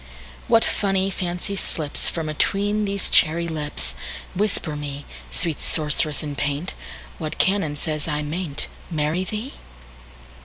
What funny fancy slipsFrom atween these cherry lips! Whisper me, Sweet sorceress in paint, What canon says I may n'tMarry thee?